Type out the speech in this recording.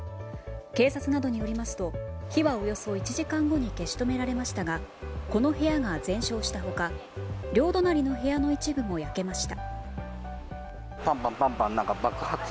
警察などによりますと火はおよそ１時間後に消し止められましたがこの部屋が全焼した他両隣の部屋の一部も焼けました。